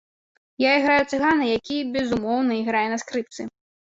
Я іграю цыгана, які, безумоўна, іграе на скрыпцы.